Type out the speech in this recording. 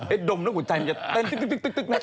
เอ๊ะดมแล้วหัวใจมันจะเต้นตึก